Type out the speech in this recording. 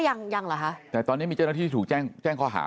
ยังยังเหรอคะแต่ตอนนี้มีเจ้าหน้าที่ถูกแจ้งแจ้งข้อหา